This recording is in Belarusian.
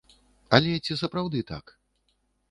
Але ці сапраўды так?